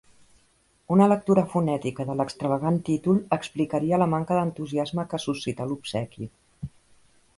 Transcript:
Una lectura fonètica de l'extravagant títol explicaria la manca d'entusiasme que suscità l'obsequi.